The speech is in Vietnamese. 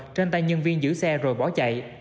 trên tay nhân viên giữ xe rồi bỏ chạy